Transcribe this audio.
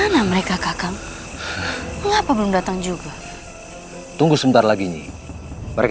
terp guarante untuk berhenti menyerang mereka